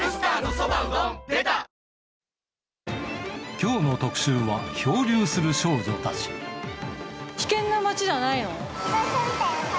きょうの特集は、漂流する少危険な街じゃないの？